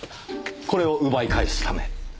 これを奪い返すため。